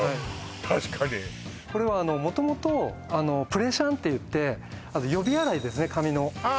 確かにこれは元々プレシャンっていって予備洗いですね髪のああ